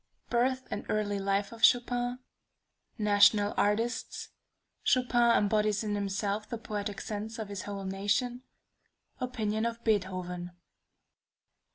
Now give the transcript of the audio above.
Birth and Early Life of Chopin National Artists Chopin embodies in himself the poetic sense of his whole nation Opinion of Beethoven.